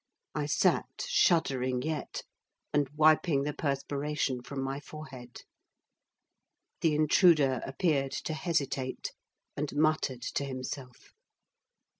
I sat shuddering, yet, and wiping the perspiration from my forehead: the intruder appeared to hesitate, and muttered to himself.